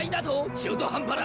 中途半端な！